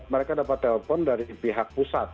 mereka dapat telepon dari pihak pusat